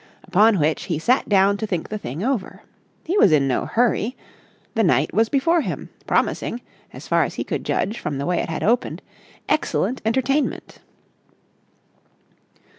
Upon which he sat down to think the thing over. He was in no hurry. The night was before him, promising, as far as he could judge from the way it had opened, excellent entertainment.